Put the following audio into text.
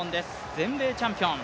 全米チャンピオン。